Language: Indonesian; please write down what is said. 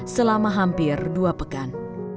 selama hampir dua pekan